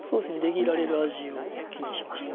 切られる味を気にしました。